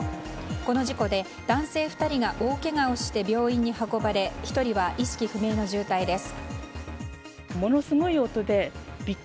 この事故で、男性２人が大けがをして病院に運ばれ１人は意識不明の重体です。